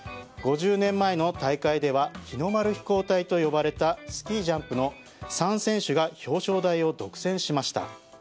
５０年前の大会では日の丸飛行隊と呼ばれたスキージャンプの３選手が表彰台を独占しました。